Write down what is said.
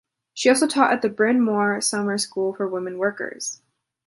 She also taught at the Bryn Mawr Summer School for Women Workers.